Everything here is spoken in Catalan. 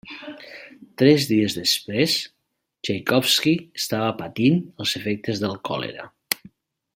Tres dies després, Txaikovski estava patint els efectes del còlera.